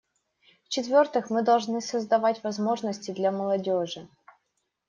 В-четвертых, мы должны создавать возможности для молодежи.